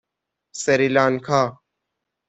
سری لانکا